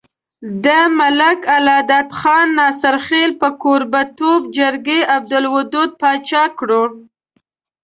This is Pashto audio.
د ملک الله داد خان ناصرخېل په کوربه توب جرګې عبدالودو باچا کړو۔